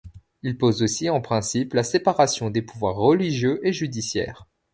Il pose aussi en principe la séparation des pouvoirs religieux et judiciaire.